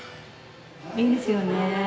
いいですよねえ。